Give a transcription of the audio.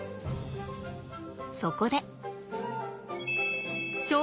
そこで。